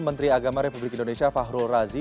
menteri agama republik indonesia fahrul razi